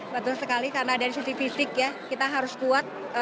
betul sekali karena dari sisi fisik ya kita harus kuat